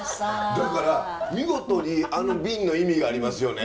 だから見事にあの瓶の意味がありますよね